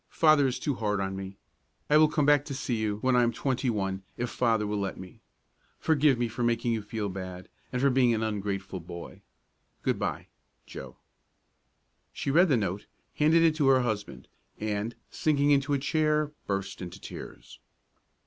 Father is too hard on me. I will come back to see you when I am twenty one if Father will let me. Forgive me for making you feel bad, and for being an ungrateful boy. Good by, JOE. She read the note, handed it to her husband, and, sinking into a chair, burst into tears.